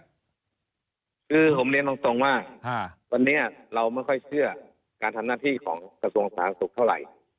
คือผมเรียนตรงว่าวันนี้เราไม่ค่อยเชื่อการทำหน้าที่ของกระทรวงสาธารณสุขเท่าไหร่